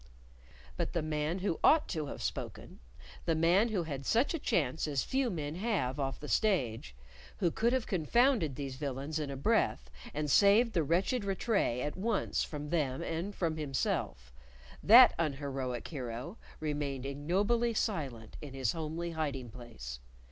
But the man who ought to have spoken the man who had such a chance as few men have off the stage who could have confounded these villains in a breath, and saved the wretched Rattray at once from them and from himself that unheroic hero remained ignobly silent in his homely hiding place.